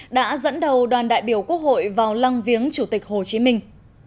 đã dẫn đầu đoàn đại biểu quốc hội vào lăng viếng chủ tịch hồ chí minh